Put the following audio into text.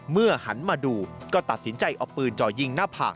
หันมาดูก็ตัดสินใจเอาปืนจ่อยิงหน้าผาก